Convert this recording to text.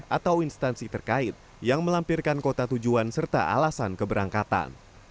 atau instansi terkait yang melampirkan kota tujuan serta alasan keberangkatan